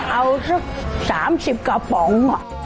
เอาสัก๓๐กระป๋อง